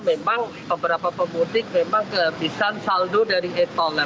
memang beberapa pemudik memang kehabisan saldo dari eto'o